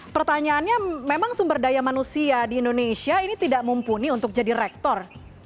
pertanyaannya memang sumber daya manusia di indonesia ini tidak mumpuni untuk jadi rektor